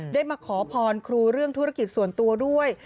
ได้มาขอพรครูเรื่องธุรกิจส่วนตัวด้วย